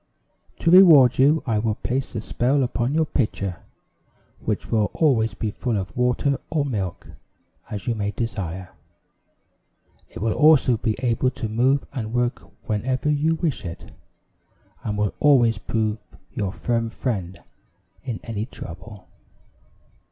"To reward you, I will place a spell upon your pitcher, which will always be full of water or milk, as you may desire. It will also be able to move and work whenever you wish it, and will always prove your firm friend in any trouble.